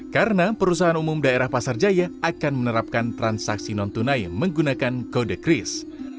karena perusahaan umum daerah pasar jaya akan menerapkan transaksi non tunai menggunakan kode kris